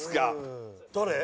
誰？